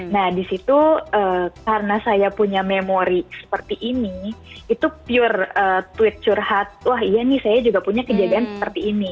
nah disitu karena saya punya memori seperti ini itu pure tweet curhat wah iya nih saya juga punya kejadian seperti ini